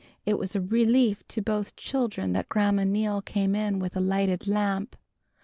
It was a relief to both children when Grandma Neal came in with a lighted lamp.